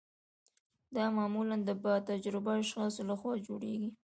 دا معمولا د با تجربه اشخاصو لخوا جوړیږي.